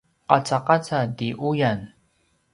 qacaqaca ti uyan